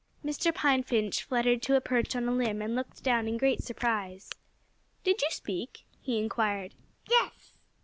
Mr. Pine Finch fluttered to a perch on a limb and looked down in great surprise. "Did you speak?" he inquired. "Yes!"